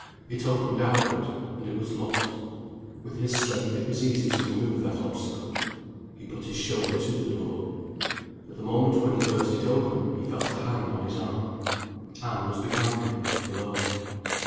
It opened outward, and it was locked. With his strength it was easy to remove that obstacle. He put his shoulder to the door. At the moment when he burst it open he felt a hand on his arm. Anne was behind him, alone.